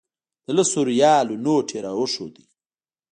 د لسو ریالو نوټ یې راښود.